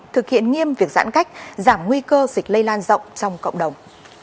thực hiện nghiêm việc giãn cách giảm nguy cơ dịch lây lan rộng trong cộng đồng